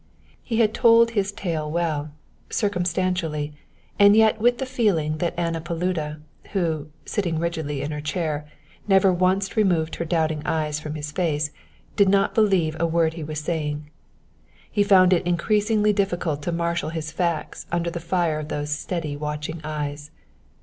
He had told his tale well circumstantially and yet with the feeling that Anna Paluda, who, sitting rigidly in her chair, never once removed her doubting eyes from his face, did not believe a word he was saying. He found it increasingly difficult to marshal his facts under the fire of those steady watching eyes.